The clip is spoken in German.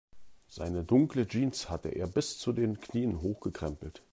Seine dunkle Jeans hatte er bis zu den Knien hochgekrempelt.